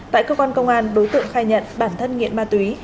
tại cơ quan công an đối tượng khai nhận bản thân nghiện ma túy